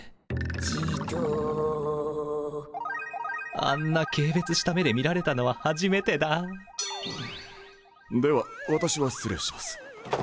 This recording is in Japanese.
ジドあんな軽蔑した目で見られたのは初めてだでは私は失礼します。